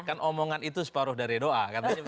kan omongan itu separuh dari doa